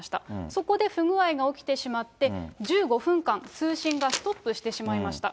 そこで不具合が起きてしまって、１５分間、通信がストップしてしまいました。